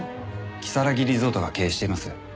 如月リゾートが経営しています。